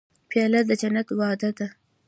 پیاله د جنت وعده ده.